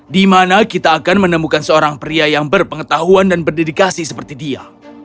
di mana kita akan menemukan seorang pria yang berpengetahuan dan berdedikasi seperti dia